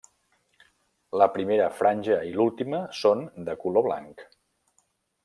La primera franja i l'última són de color blanc.